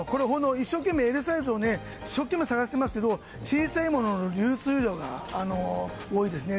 一生懸命、Ｌサイズを探していますけれども小さいものの流通量が多いですね。